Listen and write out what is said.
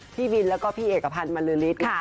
พี่วินและพี่เอกพันธ์มริริตค่ะ